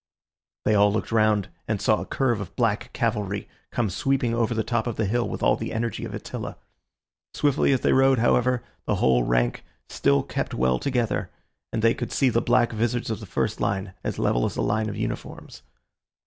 They all looked round, and saw a curve of black cavalry come sweeping over the top of the hill with all the energy of Attila. Swiftly as they rode, however, the whole rank still kept well together, and they could see the black vizards of the first line as level as a line of uniforms.